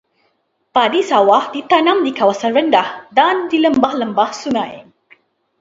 Padi sawah ditanam di kawasan rendah dan di lembah-lembah sungai.